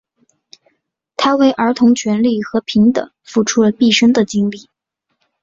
他为儿童权利和平等付出了毕生的精力。